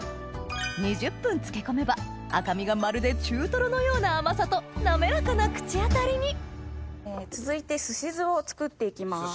２０分漬け込めば赤身がまるで中トロのような甘さと滑らかな口当たりに続いてすし酢を作っていきます。